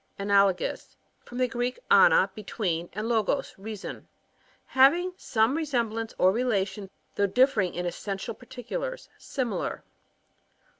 Analogous. — From the Greek, ana, between, and logoa^ reason. Hav ing some resemblance or relation* though difiering in essential par ticulars. Similar.